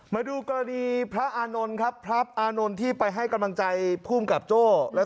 มาดูกรณีพระอานท์มนตร์ครับพระอานท์มนตร์ที่ไปให้กำลังใจผู้กำกับโจ้